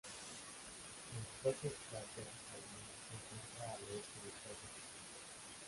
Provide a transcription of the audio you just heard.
El propio cráter Sabine se encuentra al oeste de Collins.